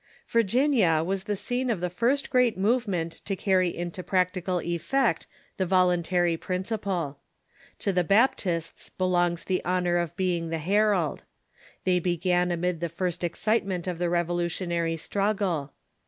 Virginia was the scene of the first great movement to carry into practical effect the voluntary principle. To in^virg^nPa^ the Baptists belongs the honor of being the herald. They began amid the first excitement of the Revolu tionary struggle.